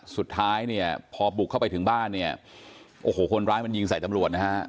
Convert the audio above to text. สุดท้ายเนี่ยพอบุกเข้าไปถึงบ้านเนี่ยโอ้โหคนร้ายมันยิงใส่ตำรวจนะฮะ